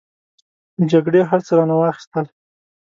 جګړې هر څه رانه واخستل.